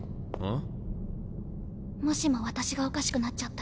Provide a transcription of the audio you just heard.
ん。